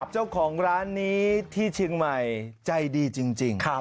เจ้าของร้านนี้ที่เชียงใหม่ใจดีจริง